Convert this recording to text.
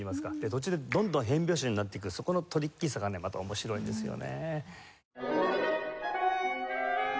途中でどんどん変拍子になっていくそこのトリッキーさがねまた面白いんですよね。